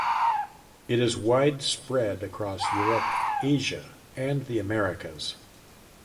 It is widespread across Europe, Asia, and the Americas.